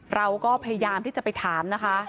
เราก็พยายามที่จะไปถามนะคะ